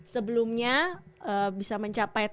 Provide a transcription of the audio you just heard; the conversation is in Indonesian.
sebelumnya bisa mencapai